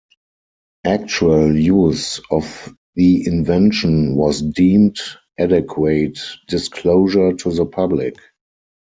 Actual use of the invention was deemed adequate disclosure to the public.